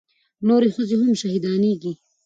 نورې ښځې هم شهيدانېږي.